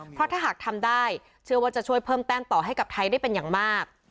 เพราะถ้าหากทำได้เชื่อว่าจะช่วยเพิ่มแต้มต่อให้กับไทยได้เป็นอย่างมาก